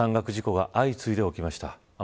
山岳事故が相次いで起きました。